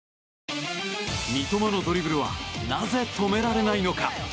三笘のドリブルはなぜ止められないのか。